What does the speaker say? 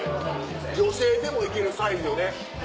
女性でもいけるサイズよね。